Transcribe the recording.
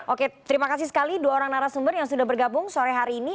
oke terima kasih sekali dua orang narasumber yang sudah bergabung sore hari ini